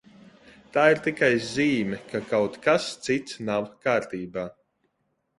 Tā ir tikai zīme, ka kaut kas cits nav kārtībā.